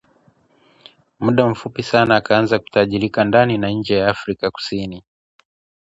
muda mfupi sana akaanza kutajika ndani na nje ya Afrika Kusini